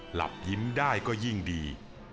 หลับยิ้มได้ก็ยิ่งดี